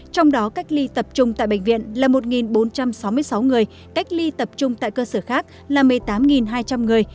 trong đó cách ly tập trung tại bệnh viện là một bốn trăm sáu mươi sáu người cách ly tập trung tại cơ sở khác là một mươi tám hai trăm linh người